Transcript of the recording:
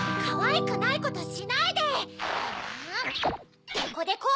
かわいくないことしないで！